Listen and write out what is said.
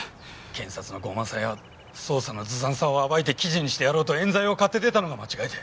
検察の傲慢さや捜査のずさんさを暴いて記事にしてやろうと冤罪を買って出たのが間違いで。